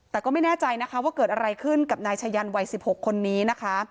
แต่ก็ไม่แน่ใจนะคะว่าเกิดอะไรขึ้นกับนายชายันวัย๑๖คนนี้นะคะ